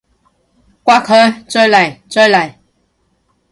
摑佢！再嚟！再嚟！